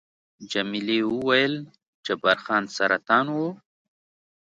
جميلې وويل:، جبار خان سرطان وو؟